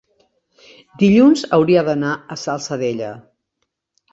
Dilluns hauria d'anar a la Salzadella.